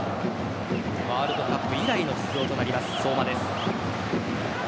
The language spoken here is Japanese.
ワールドカップ以来の出場となります、相馬です。